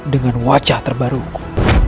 dengan wajah terbaruku